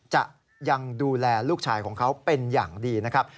จะยังดูแลลูกชายของเขาเป็นอย่างดีนะครับ